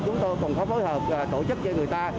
chúng tôi cũng có phối hợp tổ chức cho người ta